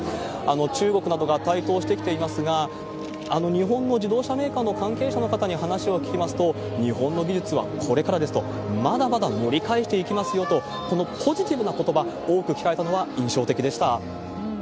中国などが台頭してきていますが、日本の自動車メーカーの関係者の方に話を聞きますと、日本の技術はこれからですと、まだまだ盛り返していきますよと、このポジティブなことば、多く聞かれたのは印象的でした。